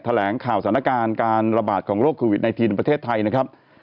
แถลงข่าวสถานการณ์การระบาดของโรคโควิด๑๙ในประเทศไทยนะครับ